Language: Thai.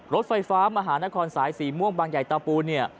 รถไฟฟ้ามหานครสายสีม่วงบางใหญ่ตาปูเนี่ย